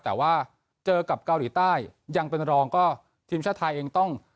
แต่ว่าเจอกับเกาหลีใต้ยังเป็นรองก็ทีมชาติไทยเองต้อง